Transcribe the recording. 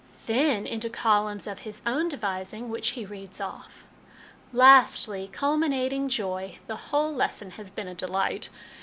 " Then into columns of his own devising, which he reads off. " Lastly, culminating joy (the whole lesson has been a delight